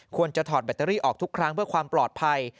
ถอดแบตเตอรี่ออกทุกครั้งเพื่อความปลอดภัย